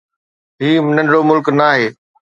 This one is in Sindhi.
هي ننڍڙو ملڪ ناهي.